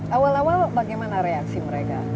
awal awal bagaimana reaksi mereka